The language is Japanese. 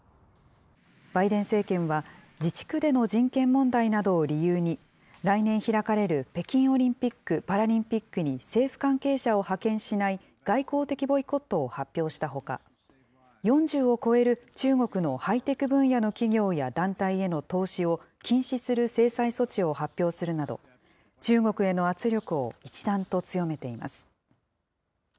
バイデン政権は、自治区での人権問題などを理由に、来年開かれる北京オリンピック・パラリンピックに政府関係者を派遣しない、外交的ボイコットを発表したほか、４０を超える中国のハイテク分野の企業や団体への投資を禁止する制裁措置を発表するなど、中国への圧力を一段と強めています。